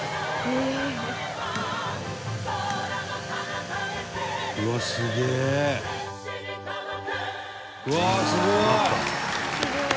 「うわーすごい！」